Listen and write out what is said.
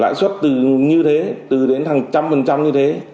lãi suất từ như thế từ đến hàng trăm phần trăm như thế